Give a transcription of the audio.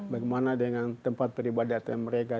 bagaimana dengan tempat peribadatan mereka